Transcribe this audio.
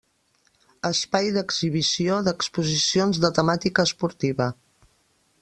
Espai d’exhibició d’exposicions de temàtica esportiva.